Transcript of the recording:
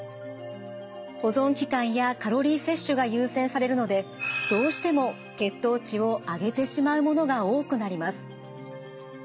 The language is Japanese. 保存期間やカロリー摂取が優先されるのでどうしても血糖値を上げてしまうものが多くなります。